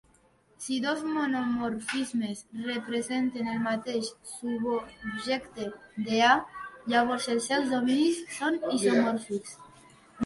Si dos monomorfismes representen el mateix subobjecte d' "A", llavors els seus dominis són isomòrfics.